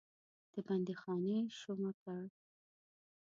د بندیخانې شومه کړ.